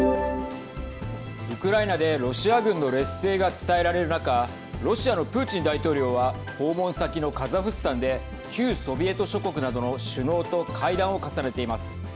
ウクライナでロシア軍の劣勢が伝えられる中ロシアのプーチン大統領は訪問先のカザフスタンで旧ソビエト諸国などの首脳と会談を重ねています。